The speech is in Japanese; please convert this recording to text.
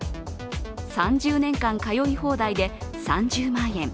３０年間通い放題で３０万円。